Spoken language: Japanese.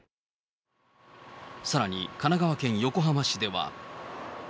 さらに神奈川県横浜市では。